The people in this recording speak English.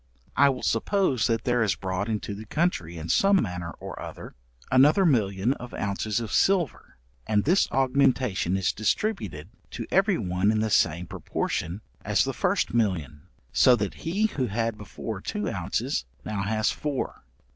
I will suppose that there is brought into the country in some manner or other, another million of ounces of silver, and this augmentation is distributed to every one in the same proportion as the first million, so that he who had before two ounces, has now four.